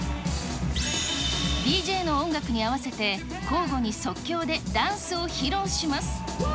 ＤＪの音楽に合わせて、交互に即興でダンスを披露します。